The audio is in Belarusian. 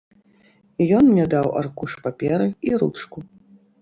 Ён мне даў аркуш паперы і ручку.